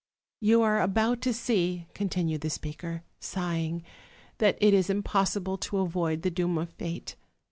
"You are about to see," continued the speaker, sigh ing, "that it is impossible to avoid the doom of fate.